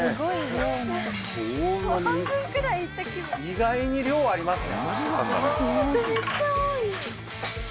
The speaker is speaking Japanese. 意外に量ありますね。